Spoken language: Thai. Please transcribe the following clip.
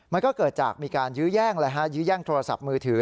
มันก็เกิดจากมีการยื้อแย่งยื้อแย่งโทรศัพท์มือถือ